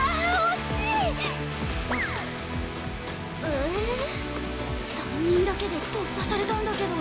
え３人だけで突破されたんだけど。